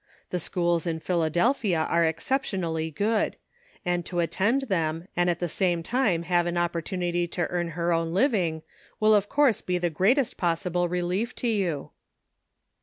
The schools in Philadelphia are excep tionally good ; and to attend them and at the same time have an opportunity to earn her own living will of course be the greatest possible relief to you."